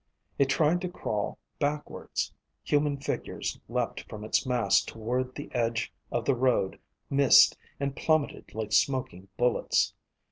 It tried to crawl backwards. Human figures leaped from its mass toward the edge of the road, missed, and plummetted like smoking bullets.